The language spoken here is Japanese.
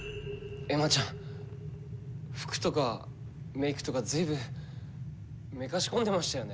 エマちゃん服とかメイクとか随分めかし込んでましたよね。